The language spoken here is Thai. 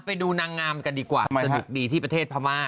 ไปดูนางงามกันดีกว่าสนุกดีที่ประเทศพม่า